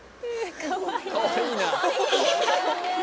かわいいな。